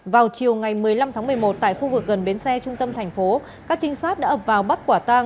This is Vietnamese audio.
vào chiều ngày một mươi năm tháng một mươi một tại khu vực gần bến xe trung tâm thành phố các trinh sát đã ập vào bắt quả tang